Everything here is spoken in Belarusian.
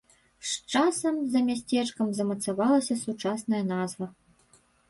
З часам за мястэчкам замацавалася сучасная назва.